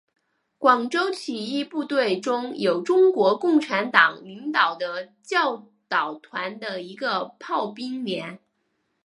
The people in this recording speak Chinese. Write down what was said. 广州起义部队中有中国共产党领导的教导团的一个炮兵连。